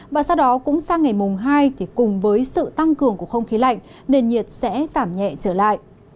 và sau đó cũng sang ngày mùng hai thì cùng với sự tăng cường của không khí lạnh nền nhiệt sẽ giảm nhẹ trở lại